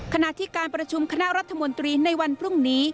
ขณะที่การประชุมคณะรัฐมนตรีในวันพรุ่งนี้